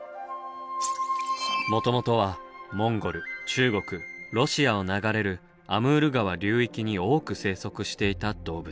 もともとはモンゴル中国ロシアを流れるアムール川流域に多く生息していた動物。